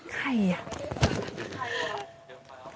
ใครอ่ะ